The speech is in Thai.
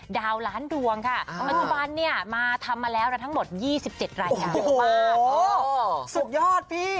ดาวร้านดวงค่ะปัจจุบันนี้มาทำมาแล้วแล้วทั้งหมด๒๗ระยะโอ้โหสุขยอดพี่